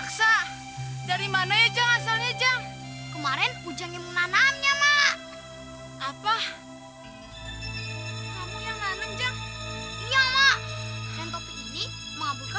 kamu akan semangat tertidur